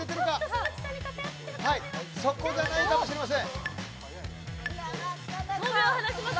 そこじゃないかもしれません。